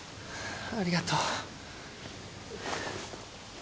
ありがとう。